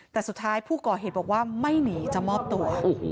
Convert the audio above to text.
แต่สุดท้ายผู้ก่อเหตุบอกว่าไม่หนีจะมอบตัว